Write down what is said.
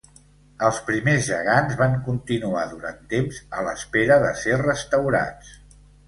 Els primers gegants van continuar durant temps a l'espera de ser restaurats.